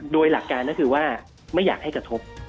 โดยหลักการก็คือว่าไม่อยากให้กระทบ